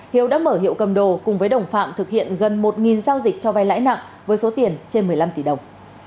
hiếu đã mở hiệu cầm đồ cùng với đồng phạm thực hiện gần một giao dịch cho vai lãi nặng với số tiền trên một mươi năm tỷ đồng